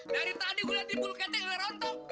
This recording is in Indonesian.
dari tadi gua lihat di buluk kecil nggak rontok